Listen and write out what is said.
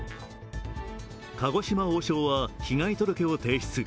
鹿児島王将は被害届を提出。